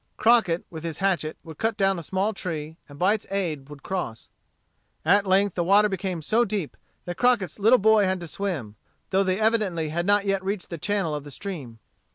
Crockett, with his hatchet, would cut down a small tree, and by its aid would cross. At length the water became so deep that Crockett's little boy had to swim, though they evidently had not yet reached the channel of the stream.